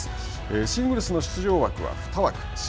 シングルスの出場枠は２枠。